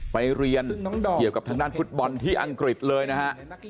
ไปเรียนเกี่ยวกับทางด้านฟุตบอลที่อังกฤษเลยนะฮะ